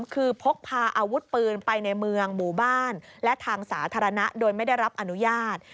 คือพกพาอาวุธปืนไปในเมืองหมู่บ้านและทางสาธารณะโดยไม่ได้รับอนุญาต